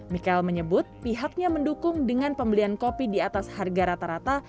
mikael menyebut pihaknya mendukung dengan pembelian kopi di atas harga rata rata